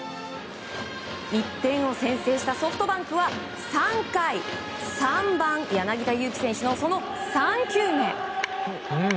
１点を先制したソフトバンクは３回、３番、柳田悠岐選手のその３球目。